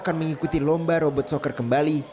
dan mengikuti lomba robot soccer kembali